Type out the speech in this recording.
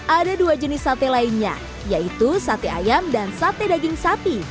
ada dua jenis sate lainnya yaitu sate ayam dan sate daging sapi